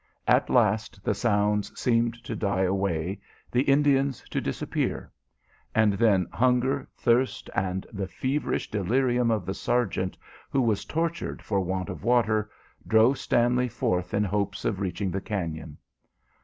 At last the sounds seemed to die away, the Indians to disappear, and then hunger, thirst, and the feverish delirium of the sergeant, who was tortured for want of water, drove Stanley forth in hopes of reaching the cañon.